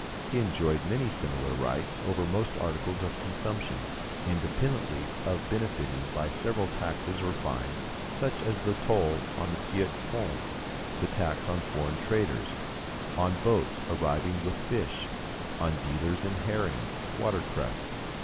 He enjoyed many similar rights over most articles of consumption, independently of benefiting by several taxes or fines, such as the toll on the Petit Pont, the tax on foreign traders, on boats arriving with fish, on dealers in herrings, watercress, &c.